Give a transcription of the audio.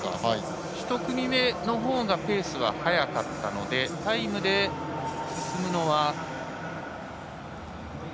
１組目のほうがペースは速かったのでタイムで進むのは。